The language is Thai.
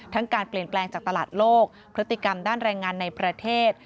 การเปลี่ยนแปลงจากตลาดโลกพฤติกรรมด้านแรงงานในประเทศ